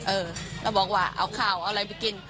เออแล้วบอกว่าเอาข้าวเอาอะไรไปกิน